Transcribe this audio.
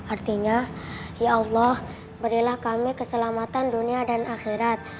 artinya ya allah berilah kami keselamatan dunia dan akhirat